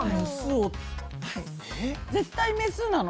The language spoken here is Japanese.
絶対メスなの？